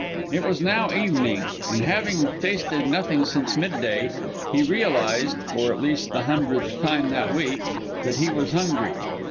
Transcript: It was now evening, and having tasted nothing since mid day, he realized, for at least the hundredth time that week, that he was hungry.